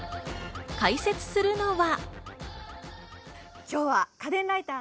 解説するのは。